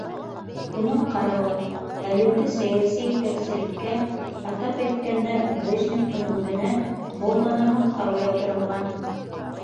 Уның ҡарауы, әлеңге сәйәси етәкселеккә, атап әйткәндә, Брежневтың үҙенә, мул ғына маҡтау яуҙырылған.